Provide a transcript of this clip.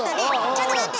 ちょっと待って！